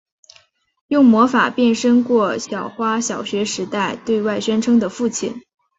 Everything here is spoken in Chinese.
用魔法变身过小花小学时代对外宣称的父亲。